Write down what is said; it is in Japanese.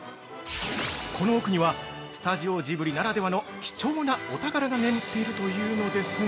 この奥にはスタジオジブリならではの貴重なお宝が眠っているというのですが。